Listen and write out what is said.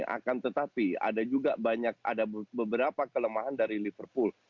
akan tetapi ada juga banyak ada beberapa kelemahan dari liverpool